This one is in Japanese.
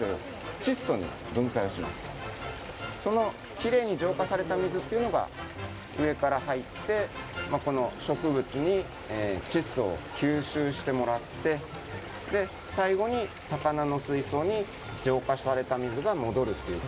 キレイに浄化された水というのが上から入って、植物に窒素を吸収してもらって、最後に魚の水槽に浄化された水が戻る。